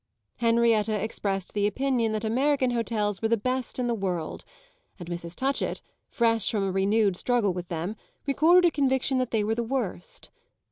Henrietta expressed the opinion that American hotels were the best in the world, and Mrs. Touchett, fresh from a renewed struggle with them, recorded a conviction that they were the worst.